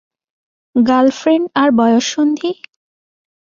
Girlfriend আর বয়ঃসন্ধি?